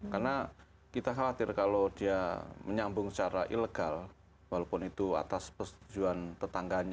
karena kita khawatir kalau dia menyambung secara ilegal walaupun itu atas persetujuan tetangganya